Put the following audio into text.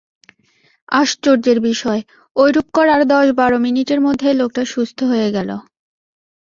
আশ্চর্যের বিষয়, ঐরূপ করার দশ-বার মিনিটের মধ্যেই লোকটা সুস্থ হয়ে গেল।